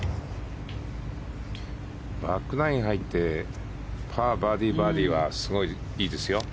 バックナイン入ってパー、バーディー、バーディーはすごい、いいですよ。